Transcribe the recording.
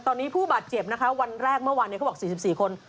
ตอนนี้ผู้บาดเจ็บนะคะวันแรกเมื่อวานเขาบอก๔๔คน